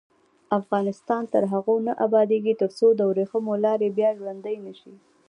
افغانستان تر هغو نه ابادیږي، ترڅو د وریښمو لار بیا ژوندۍ نشي.